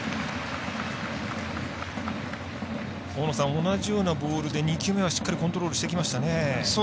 同じようなボールで２球目はしっかりコントロールしてきましたね。